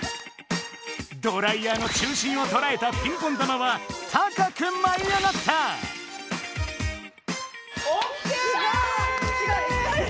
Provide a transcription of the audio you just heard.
ドライヤーの中心をとらえたピンポン玉は高くまい上がった！ＯＫ！